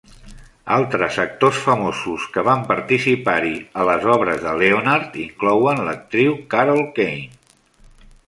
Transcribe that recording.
Altres actors famosos que van participar-hi a les obres de Leonard inclouen l"actriu Carol Kane.